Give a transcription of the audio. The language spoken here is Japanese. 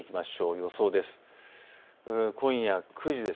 予想です。